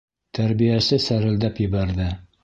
Тәрбиәсе сәрелдәп ебәрҙе: